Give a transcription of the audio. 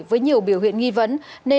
với nhiều biểu hiện nghi vấn